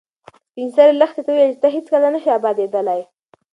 سپین سرې لښتې ته وویل چې ته هیڅکله نه شې ابادېدلی.